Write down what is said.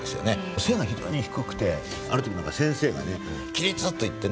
背が非常に低くてある時また先生がね「起立！」と言ってね